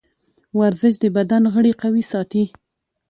ورزش د بدن غړي قوي ساتي.